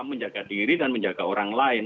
menjaga diri dan menjaga orang lain